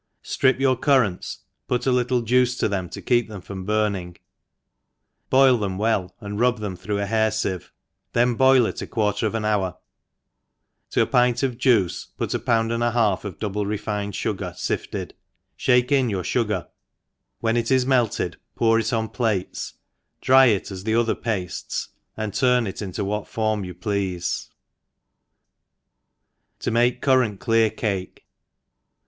STRIP your currants, put a little juice to them to keep them from burning, boil them well and rub them through a hair fieve, then boil it a quarter of an hour : to a pint of juice put a pound and a half of double refined fugar, lifted, ihake in your fugar, when it is melted^ pour it on plates, dry it as the other pailes, and torn it into what form you pleafe. 1^0 make Currant Clear Cake.